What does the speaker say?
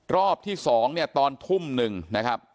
รอบที่๒เนี่ยตอนทุ่มหนึ่งนะครับ